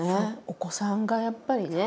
お子さんがやっぱりね。